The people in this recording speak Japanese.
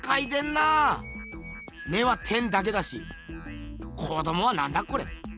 目は点だけだし子どもはなんだこれ？